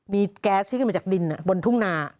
มีแก๊สที่ขึ้นมาจากดินบนทุ่งนา